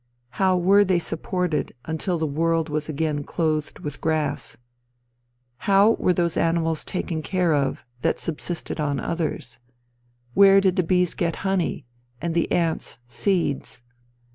How were they supported until the world was again clothed with grass? How were those animals taken care of that subsisted on others? Where did the bees get honey, and the ants seeds?